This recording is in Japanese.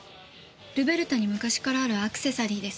ルベルタに昔からあるアクセサリーです。